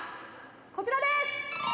こちらです！」